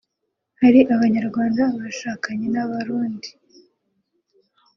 Hari abanyarwanda bashakanye n’abarundi